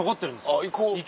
あぁ行こう。